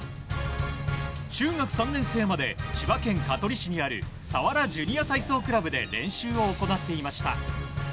中学３年生まで千葉県香取市にある佐原ジュニア体操クラブで練習を行っていました。